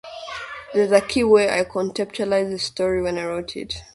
There's a key way I conceptualized this story when I wrote it.